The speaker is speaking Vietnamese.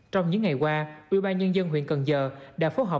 trong những ngày qua ubnd huyện cần giờ đã phối hợp